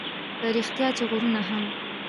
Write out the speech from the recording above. په رښتیا چې غرونه هم